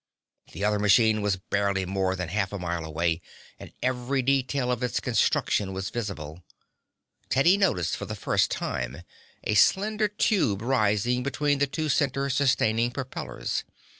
The other machine was barely more than half a mile away and every detail of its construction was visible. Teddy noticed for the first time a slender tube rising between the two center sustaining propellers.